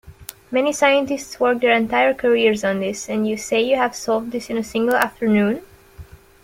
Many scientists work their entire careers on this, and you say you have solved this in a single afternoon?